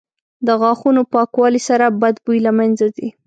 • د غاښونو پاکوالي سره بد بوی له منځه ځي.